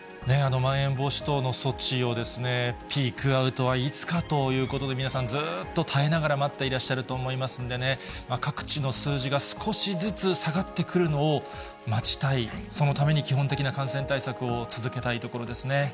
まん延防止等の措置を、ピークアウトはいつかということで、皆さん、ずっと耐えながら待っていらっしゃると思いますのでね、各地の数字が少しずつ下がってくるのを待ちたい、そのために基本的な感染対策を続けたいところですね。